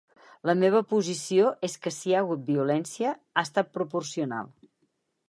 La meva posició és que si hi ha hagut violència, ha estat proporcional.